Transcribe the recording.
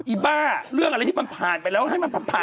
อ้าเรื่องอะไรที่มันผ่านไปแล้วให้มันผ่าน